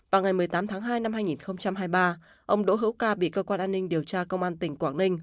vào ngày một mươi tám tháng hai năm hai nghìn hai mươi ba ông đỗ hữu ca bị cơ quan an ninh điều tra công an tỉnh quảng ninh